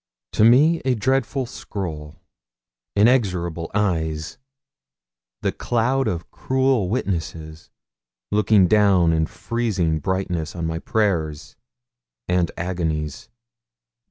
To me a dreadful scroll inexorable eyes the cloud of cruel witnesses looking down in freezing brightness on my prayers and agonies.